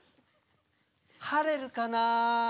「晴れるかな」